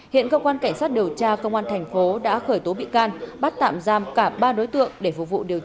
hiện công an cảnh sát điều tra công an thành phố đã khởi tố bị can bắt tạm giam cả ba đối tượng để phục vụ điều tra làm rõ vụ việc